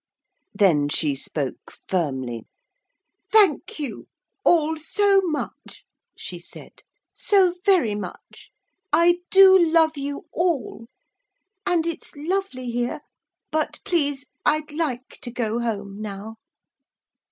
Then she spoke firmly. 'Thank you all so much,' she said 'so very much. I do love you all, and it's lovely here. But, please, I'd like to go home now.'